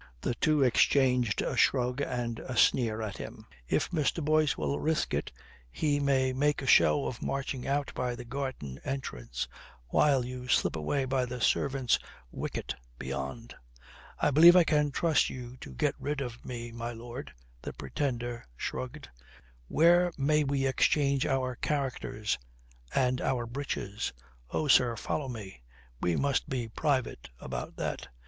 The two exchanged a shrug and a sneer at him. "If Mr. Boyce will risk it, he may make a show of marching out by the garden entrance while you slip away by the servants' wicket beyond." "I believe I can trust you to get rid of me, my lord," the Pretender shrugged. "Pray, where may we exchange our characters and our breeches?" "Oh, sir, follow me; we must be private about that."